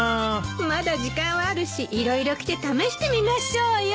まだ時間はあるし色々着て試してみましょうよ。